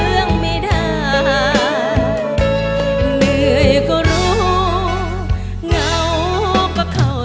และมีมีความกลัวโดยเร็ว